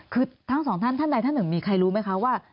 คือทั้งสองท่านท่านใดท่านหนึ่งมีใครรู้ไหมคะว่า